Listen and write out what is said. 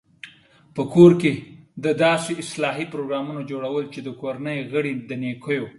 په کور کې د داسې اصلاحي پروګرامونو جوړول چې د کورنۍ غړي د نېکو